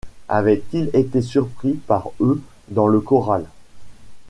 Avait-il été surpris par eux dans le corral